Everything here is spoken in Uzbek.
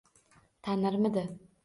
— Tanirmidi?